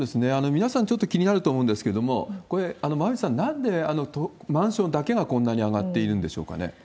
皆さんちょっと気になると思うんですけれども、これ、馬渕さん、なんでマンションだけがこんなに上がっているんでしょうかね。